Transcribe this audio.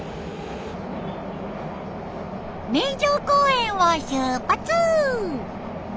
名城公園を出発。